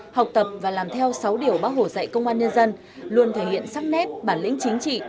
học tập và làm theo sáu điều bác hồ dạy công an nhân dân luôn thể hiện sắc nét bản lĩnh chính trị